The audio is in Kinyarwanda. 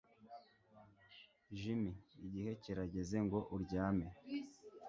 Jimmy igihe kirageze ngo uryame